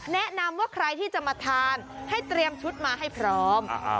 แนะนำว่าใครที่จะมาทานให้เตรียมชุดมาให้พร้อม